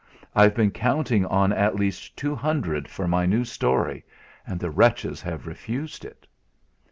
I've been counting on at least two hundred for my new story, and the wretches have refused it."